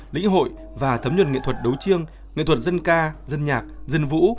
lĩnh hội và thấm nhuận nghệ thuật đấu chiêng nghệ thuật dân ca dân nhạc dân vũ